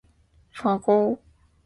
雷雷！你是真正的偶像啊！